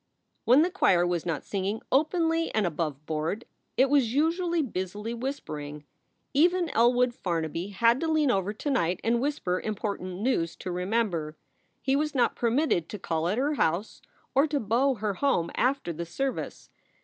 When the choir was not singing openly and aboveboard, it was usually busily whispering. Even Elwood Farnaby had to lean over to night and whisper important news to Remember. He was not permitted to call at her house or to beau her home after the service.